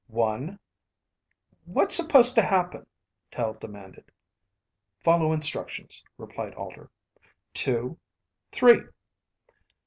One ..." "What's supposed to happen?" Tel demanded. "Follow instructions," replied Alter. "Two ... three!"